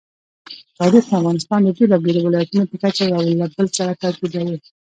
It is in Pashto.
تاریخ د افغانستان د بېلابېلو ولایاتو په کچه یو له بل سره توپیر لري.